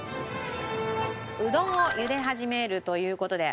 うどんを茹で始めるという事で。